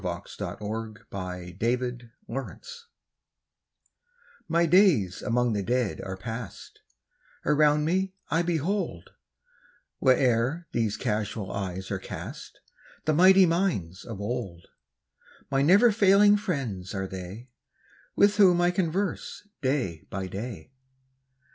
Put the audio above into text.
Stanzas Written in His Library 1V/TY days among the Dead are past; *•• Around me I behold, Where'er these casual eyes are cast, The mighty minds of old; My never failing friends are they, With whom I converse day by day.